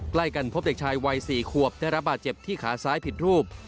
ใกล้กันพบเด็กชายวัย๔ขวบได้รับบาดเจ็บที่ขาซ้ายผิดรูป